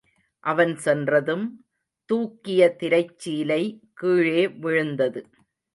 அவன் சென்றதும், தூக்கிய திரைச்சீலை கீழே விழுந்தது.